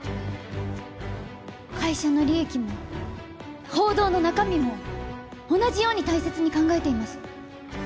会社の利益も報道の中身も同じように大切に考えています